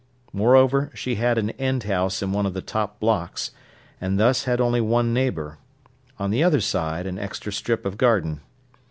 Moreover, she had an end house in one of the top blocks, and thus had only one neighbour; on the other side an extra strip of garden.